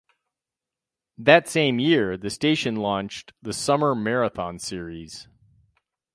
That same year, the station launched the Summer Marathon Series.